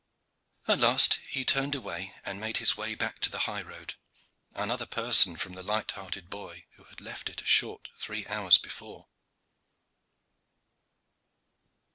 At last he turned away and made his way back to the high road another person from the light hearted boy who had left it a short three hours before.